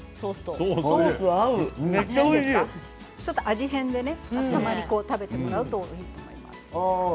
味変でたまに食べてもらうといいと思います。